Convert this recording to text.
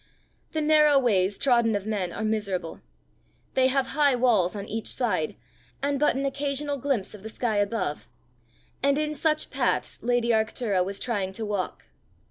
The narrow ways trodden of men are miserable; they have high walls on each side, and but an occasional glimpse of the sky above; and in such paths lady Arctura was trying to walk.